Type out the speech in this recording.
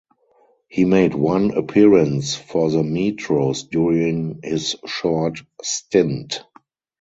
He made one appearance for the Metros during his short stint.